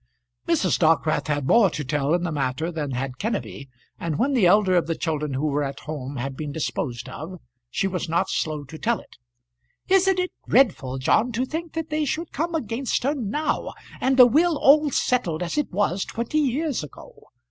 Mrs. Dockwrath had more to tell in the matter than had Kenneby, and when the elder of the children who were at home had been disposed of she was not slow to tell it. "Isn't it dreadful, John, to think that they should come against her now, and the will all settled as it was twenty year ago?